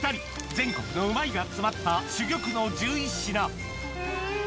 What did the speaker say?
全国のうまいが詰まった珠玉の１１品うん！